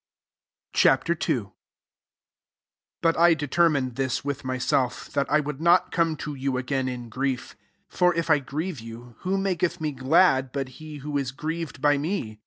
Ch. II. 1 But I determined this with myself, that I would not come to. you again in grief. 2 For if I grieve you, who maketh me glad, but he wjjo is grieved by me